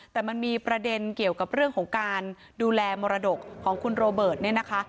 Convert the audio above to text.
แต่มันมีประเด็นเกี่ยวกับเรื่องของการดูแลมรดกของคุณโรเบิร์ตเนี่ยนะคะ